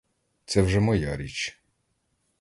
Це вже моя річ.